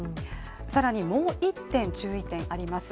さらにもう一点注意点あります。